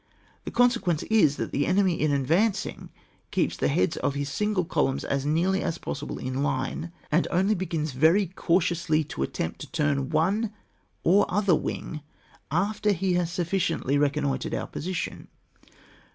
The conse quence is, that the enemy in advancing keeps the heads of his single columns as nearly as possible in line, and only begins very cautiously to attempt to turn one or other wing after he has sufficiently re connoitred our position.